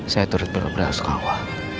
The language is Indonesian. saya turut berbelasukawa